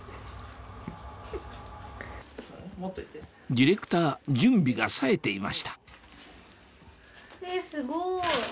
ディレクター準備がさえていましたえっすごい。